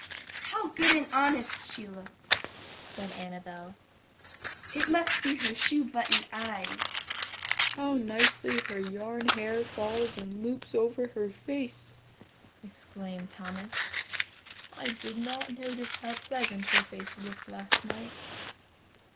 "How good and honest she looks!" said Annabel. "It must be her shoe button eyes!" "How nicely her yarn hair falls in loops over her face!" exclaimed Thomas, "I did not notice how pleasant her face looked last night!"